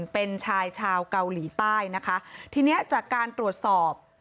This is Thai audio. เป็นชายชาวเกาหลีใต้นะคะทีเนี้ยจากการตรวจสอบ